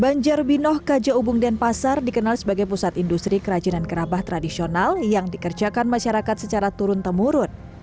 banjarbinoh kajaubung denpasar dikenal sebagai pusat industri kerajinan kerabat tradisional yang dikerjakan masyarakat secara turun temurun